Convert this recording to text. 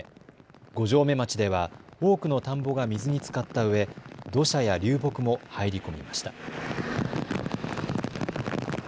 五城目町では多くの田んぼが水につかったうえ土砂や流木も入り込みました。